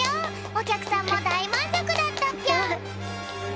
おきゃくさんもだいまんぞくだったぴょん。